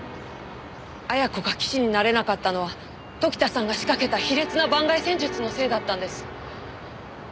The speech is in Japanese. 彩子が棋士になれなかったのは時田さんが仕掛けた卑劣な盤外戦術のせいだったんです。